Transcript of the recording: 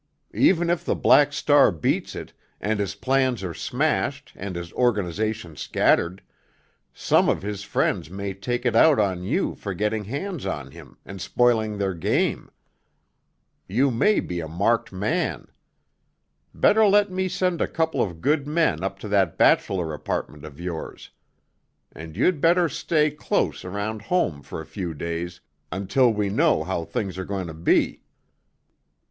Even if the Black Star beats it, and his plans are smashed and his organization scattered, some of his friends may take it out on you for getting hands on him and spoiling their game. You may be a marked man. Better let me send a couple of good men up to that bachelor apartment of yours. And you'd better stay, close around home for a few days, until we know how things are going to be."